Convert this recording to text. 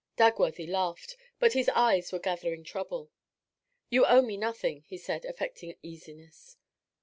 Dagworthy laughed, but his eyes were gathering trouble. 'You owe me nothing,' he said, affecting easiness.